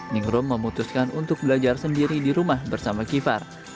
ningrum memutuskan untuk belajar sendiri di rumah bersama givhar